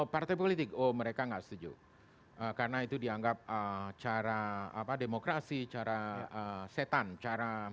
partai politik oh mereka nggak setuju karena itu dianggap cara apa demokrasi cara setan cara